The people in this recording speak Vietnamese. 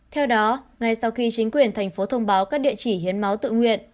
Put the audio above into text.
theo đó ngay sau khi chính quyền thành phố thông báo các địa chỉ hiến máu tự nguyện